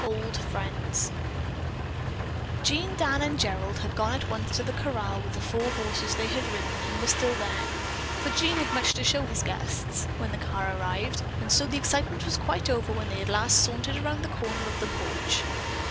OLD FRIENDS Jean, Dan and Gerald had gone at once to the corral with the four horses they had ridden and were still there (for Jean had much to show his guests) when the car arrived, and so the excitement was quite over when they at last sauntered around one corner of the porch.